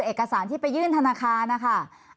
เอกสารที่ไปยื่นธนาคารนะคะ